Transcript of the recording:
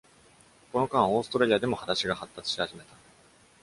この間、オーストラリアでも裸足が発達し始めた。